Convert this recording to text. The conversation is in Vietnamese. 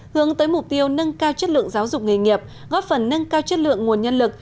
hướng tới mục tiêu nâng cao chất lượng giáo dục nghề nghiệp góp phần nâng cao chất lượng nguồn nhân lực